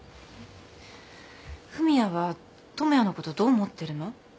文也は智也のことどう思ってるの？